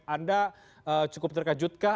anda cukup terkejut pak